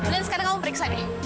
dan sekarang kamu periksa deh